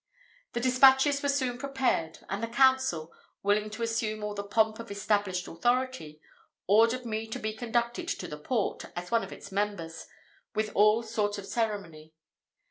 The despatches were soon prepared; and the council, willing to assume all the pomp of established authority, ordered me to be conducted to the port, as one of its members, with all sort of ceremony.